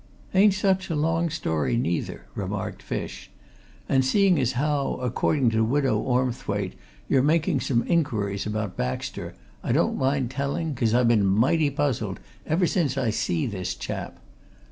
"Ain't such a long story, neither," remarked Fish. "And seeing as how, according to Widow Ormthwaite, you're making some inquiries about Baxter, I don't mind telling, 'cause I been mighty puzzled ever since I see this chap.